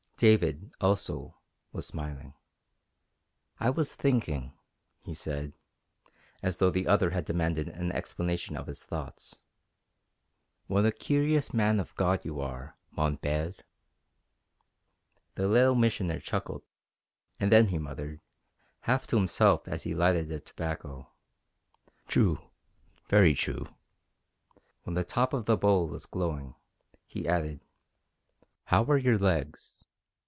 David, also, was smiling. "I was thinking," he said as though the other had demanded an explanation of his thoughts "what a curious man of God you are, mon Père!" The Little Missioner chuckled, and then he muttered, half to himself as he lighted the tobacco, "True very true." When the top of the bowl was glowing, he added: "How are your legs?